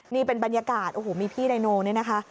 นี่เป็นบรรยากาศโอ้โหมีพี่ไดโนเนี่ยนะคะ